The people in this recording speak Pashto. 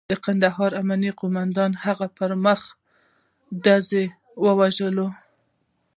د کندهار امنیه قوماندان هغه په مخامخ ډزو وواژه.